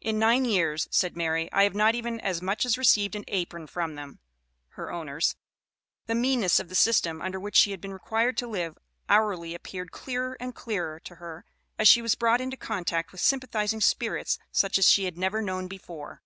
"In nine years," said Mary, "I have not even as much as received an apron from them," (her owners). The meanness of the system under which she had been required to live, hourly appeared clearer and clearer to her, as she was brought into contact with sympathizing spirits such as she had never known before.